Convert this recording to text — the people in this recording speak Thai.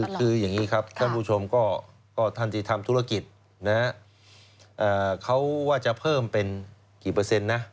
คืออย่างนี้ครับท่านผู้ชมก็ท่านที่ทำธุรกิจนะเขาว่าจะเพิ่มเป็นกี่เปอร์เซ็นต์นะ